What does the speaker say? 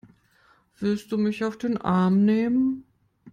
Willst du mich auf den Arm nehmen?